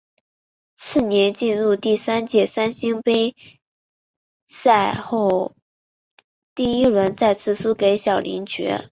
次年进入第三届三星杯本赛后第一轮再次败给小林觉。